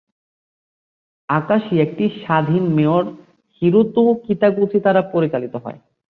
আকাশি একটি স্বাধীন মেয়র হিরোতো কিতাগুচি দ্বারা পরিচালিত হয়।